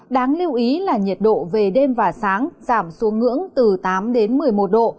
đáng lưu ý là nhiệt độ về đêm và sáng giảm xuống ngưỡng từ tám đến một mươi một độ